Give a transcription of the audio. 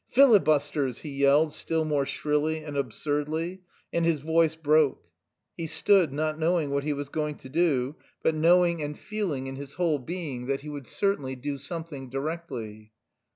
"Filibusters!" he yelled still more shrilly and absurdly, and his voice broke. He stood, not knowing what he was going to do, but knowing and feeling in his whole being that he certainly would do something directly.